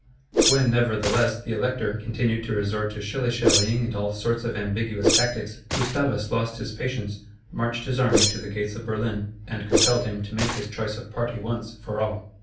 When nevertheless the Elector continued to resort to shilly shallying and all sorts of ambiguous tactics, Gustavus lost his patience, marched his army to the gates of Berlin, and compelled him to make his choice of party once, for all.